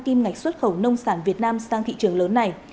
kim ngạch xuất khẩu nông sản việt nam sang thị trường lớn này